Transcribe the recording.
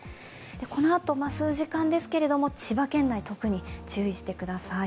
このあと数時間ですけれども千葉県内、特に注意してください。